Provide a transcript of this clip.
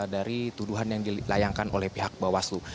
dari tuduhan yang dilayangkan oleh pihak bawaslu